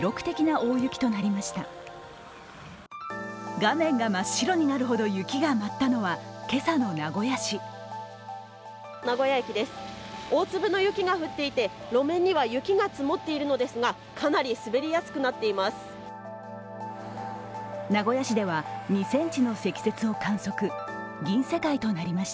大粒の雪が降っていて、路面には雪が積もっているのですが、かなり滑りやすくなっています